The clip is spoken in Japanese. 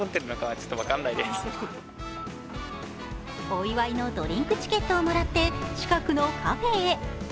お祝いのドリンクチケットをもらって近くのカフェへ。